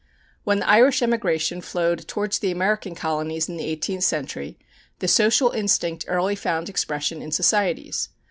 When the Irish emigration flowed towards the American colonies in the eighteenth century, the social instinct early found expression in societies.